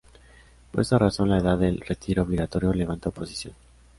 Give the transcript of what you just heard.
Por esta razón la edad del retiro obligatorio levanta oposición.